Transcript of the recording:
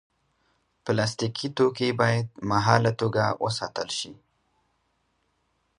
پلاستيکي توکي باید مهاله توګه وساتل شي.